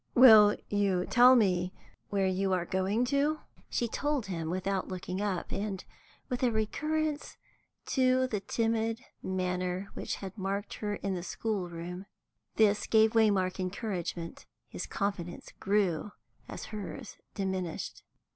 "Will you tell me where you are going to?" She told him, without looking up, and with a recurrence to the timid manner which had marked her in the schoolroom. This gave Waymark encouragement; his confidence grew as hers diminished.